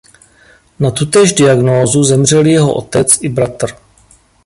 Na tutéž diagnózu zemřeli jeho otec i bratr.